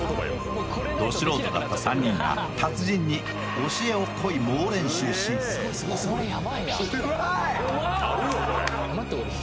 ド素人だった３人が達人に教えを請い猛練習しうまい！